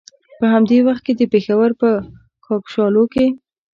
په همدې وخت کې د پېښور په کاکشالو کې.